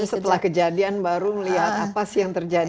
setelah kejadian baru melihat apa sih yang terjadi